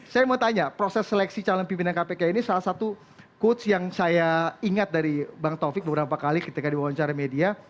saya mau tanya proses seleksi calon pimpinan kpk ini salah satu coach yang saya ingat dari bang taufik beberapa kali ketika diwawancara media